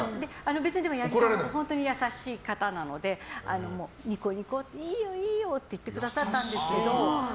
八木さんは本当に優しい方なのでにこにこしていいよ、いいよって言ってくださったんですけど。